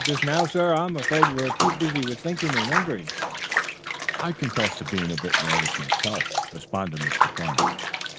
"Just now, sir, I'm afraid we're too busy with thinking and wondering." "I'll confess to being a bit nervous myself," responded Mr. Farnum.